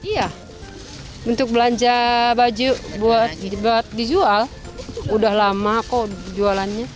iya untuk belanja baju buat dijual udah lama kok jualannya